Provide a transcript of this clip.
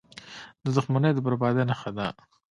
• دښمني د بربادۍ نښه ده.